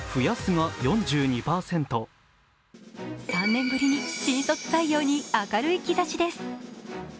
３年ぶりに新卒採用に明るい兆しです。